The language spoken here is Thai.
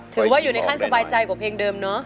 ถือว่าอยู่ในขั้นสบายใจกว่าเพลงเดิมเนาะ